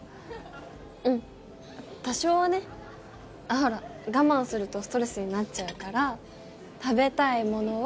ほら我慢するとストレスになっちゃうから食べたいものは。